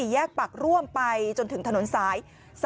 แยกปากร่วมไปจนถึงถนนสาย๓๔